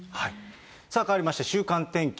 さあ変わりまして、週間天気。